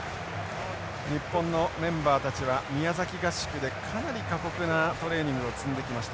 日本のメンバーたちは宮崎合宿でかなり過酷なトレーニングを積んできました。